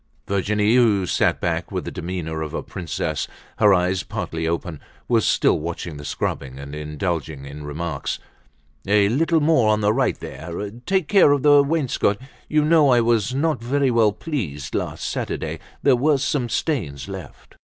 Virginie, who sat back with the demeanor of a princess, her eyes partly open, was still watching the scrubbing, and indulging in remarks. "A little more on the right there. Take care of the wainscot. You know I was not very well pleased last Saturday. There were some stains left."